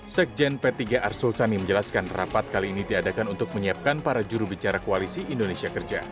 sekjen p tiga arsul sani menjelaskan rapat kali ini diadakan untuk menyiapkan para jurubicara koalisi indonesia kerja